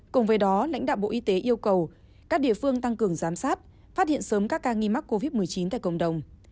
cùng với đó lãnh đạo bộ y tế yêu cầu các địa phương tăng cường giám sát phát hiện sớm các ca nghi mắc covid một mươi chín tại cộng đồng